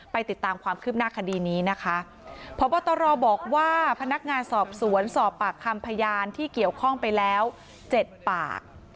ติดตามความคืบหน้าคดีนี้นะคะพบตรบอกว่าพนักงานสอบสวนสอบปากคำพยานที่เกี่ยวข้องไปแล้วเจ็ดปาก